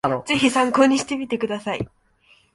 ぜひ参考にしてみてください